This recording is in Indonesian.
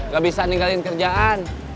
gak bisa ninggalin kerjaan